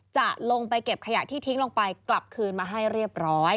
จะลงไปเก็บขยะที่ทิ้งลงไปกลับคืนมาให้เรียบร้อย